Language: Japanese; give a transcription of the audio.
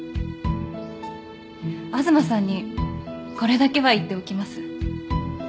東さんにこれだけは言っておきます。